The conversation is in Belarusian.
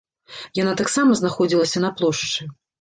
Яна таксама знаходзілася на плошчы.